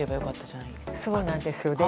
そうなんですよね。